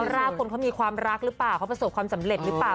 รากคนเขามีความรักหรือเปล่าเขาประสบความสำเร็จหรือเปล่า